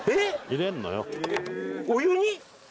入れんのよお湯に？